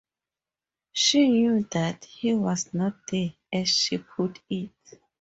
She knew that “he was not there,” as she put it.